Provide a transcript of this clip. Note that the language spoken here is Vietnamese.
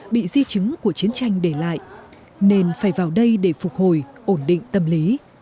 bị di chứng của chiến tranh để lại nên phải vào đây để phục hồi ổn định tâm lý